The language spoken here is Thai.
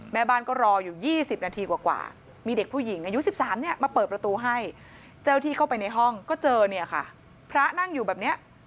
แม่บ้านก็รออยู่๒๐นาทีกว่ามีเด็กผู้หญิงอายุ๑๓เนี่ยมาเปิดประตูให้เจ้าที่เข้าไปในห้องก็เจอเนี่ยค่ะพระนั่งอยู่แบบเนี้ย